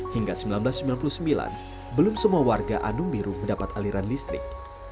hingga seribu sembilan ratus sembilan puluh sembilan belum semua warga anung biru mendapat aliran listrik